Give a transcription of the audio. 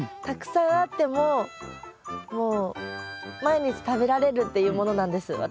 たくさんあってももう毎日食べられるっていうものなんです。